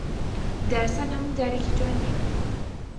دارستان هەموو دارێکی جوان نییە